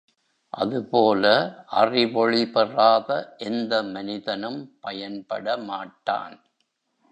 அதுபோல அறிவொளி பெறாத எந்த மனிதனும் பயன்படமாட்டான்.